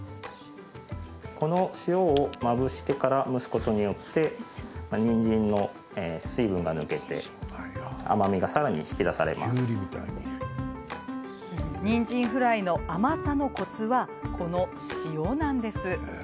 この塩をまぶしてから蒸すことによってにんじんフライの甘さのコツはこの塩なんです。